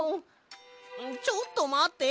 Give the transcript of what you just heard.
ちょっとまって！